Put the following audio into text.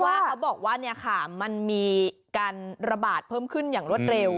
ว่าเขาบอกว่ามันมีการระบาดเพิ่มขึ้นอย่างรวดเร็ว